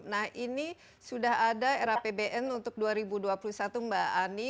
nah ini sudah ada era pbn untuk dua ribu dua puluh satu mbak ani